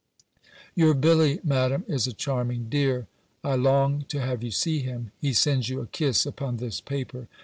B. Your Billy, Madam, is a charming dear! I long to have you see him. He sends you a kiss upon this paper.